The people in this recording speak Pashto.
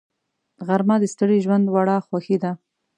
غرمه د ستړي ژوند وړه خوښي ده